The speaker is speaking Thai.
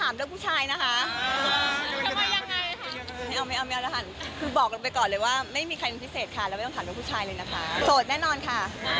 มีผู้ชายเข้าไปปีนบ้างไหมคะ